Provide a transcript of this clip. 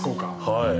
はい。